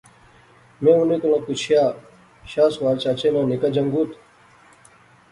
میں انیں کولا وی پچھیا، شاہ سوار چچے ناں نکا جنگت۔۔۔۔؟